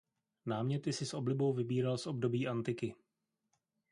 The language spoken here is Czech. Náměty si s oblibou vybíral z období antiky.